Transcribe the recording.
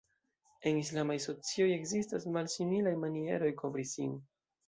En islamaj socioj ekzistas malsimilaj manieroj kovri sin.